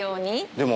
でも。